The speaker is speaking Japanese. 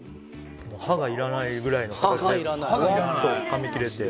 歯がいらないぐらいの、ふわっとかみ切れて。